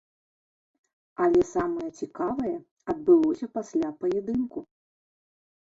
Але самае цікавае адбылося пасля паядынку.